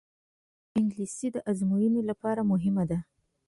انګلیسي د ازموینو لپاره مهمه ده